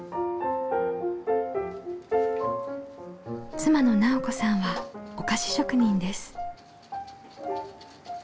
妻の直子さんはお菓子職人です。